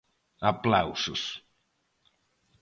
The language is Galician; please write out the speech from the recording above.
Aplausos.